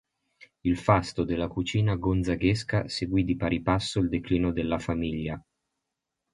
Il fasto della cucina gonzaghesca seguì di pari passo il declino della famiglia.